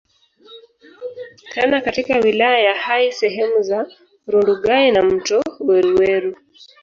Tena katika wilaya ya Hai sehemu za Rundugai na mto Weruweru